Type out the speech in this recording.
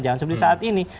jangan seperti saat ini